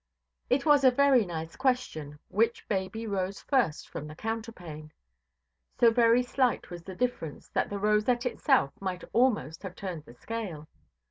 It was a very nice question—which baby rose first from the counterpane. So very slight was the difference, that the rosette itself might almost have turned the scale.